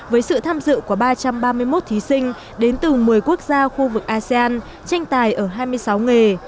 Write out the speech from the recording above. với sự tham dự của ba trăm ba mươi một thí sinh đến từ một mươi quốc gia khu vực asean tranh tài ở hai mươi sáu nghề